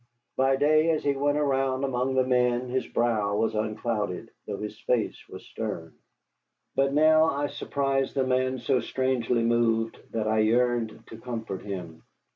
By day as he went around among the men his brow was unclouded, though his face was stern. But now I surprised the man so strangely moved that I yearned to comfort him.